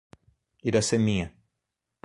Iraceminha